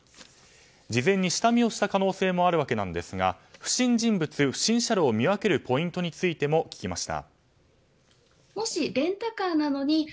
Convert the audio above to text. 事前に下見をした可能性もあるわけですが不審人物、不審車両を見分けるポイントについても聞きました。